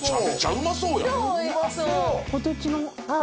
うまそう！